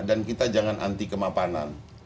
dan kita jangan anti kemapanan